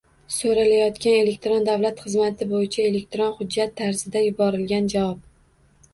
So‘ralayotgan elektron davlat xizmati bo‘yicha elektron hujjat tarzida yuborilgan javob